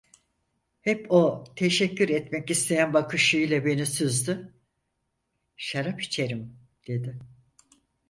Hep o teşekkür etmek isteyen bakışı ile beni süzdü: "Şarap içerim…" dedi.